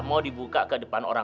masih ada duitnya